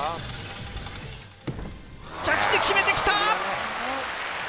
着地、決めてきた！